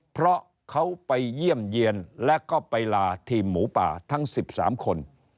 เพราะเขาไปเยี่ยมเยี่ยนและก็ไปลาทีมหมูป่าทั้ง๑๓คน